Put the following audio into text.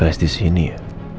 apa isi flash disini ya